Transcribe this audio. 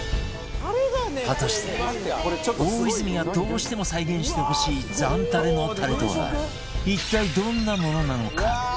果たして大泉がどうしても再現してほしいザンタレのタレとは一体どんなものなのか？